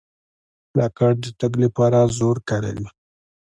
راکټ د تګ لپاره زور کاروي.